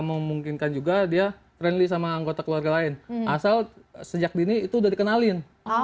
memungkinkan juga dia friendly sama anggota keluarga lain asal sejak dini itu udah dikenalin